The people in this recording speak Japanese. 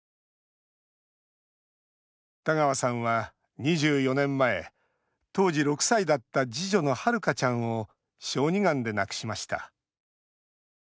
田川さんは２４年前当時６歳だった次女の、はるかちゃんを小児がんで亡くしました。